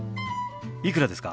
いくらですか？